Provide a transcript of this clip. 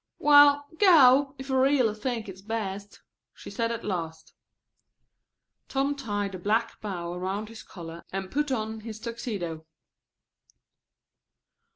"Well, go, if you really think it's best," she said at last. Tom tied a black bow around his collar and put on his tuxedo.